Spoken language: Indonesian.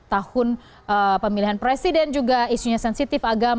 tahun pemilihan presiden juga isunya sensitif agama